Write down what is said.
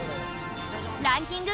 ランキング